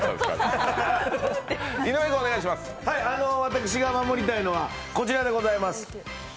私が守りたいのは、こちらでございます。